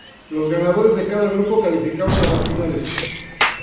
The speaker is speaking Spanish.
Los ganadores de cada grupo calificaban a las finales.